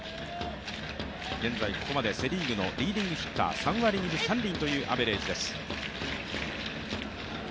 現在、ここまでセ・リーグのリーディングヒッター３割２分３厘というアベレージです。